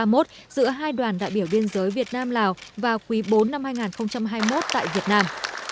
giữa hai đoàn đại biểu biên giới việt nam lào vào quý bốn năm hai nghìn hai mươi một tại việt nam